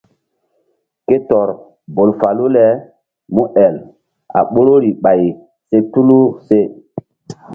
Ke tɔr bol falu le múel a ɓoruri ɓay se tulu se.